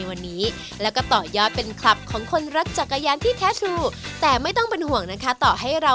วันนี้ขอบคุณมากเลยค่ะ